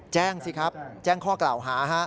สิครับแจ้งข้อกล่าวหา